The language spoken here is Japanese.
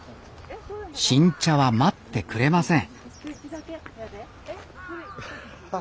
新茶は待ってくれません